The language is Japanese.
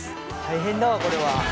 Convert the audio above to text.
大変だわこれは。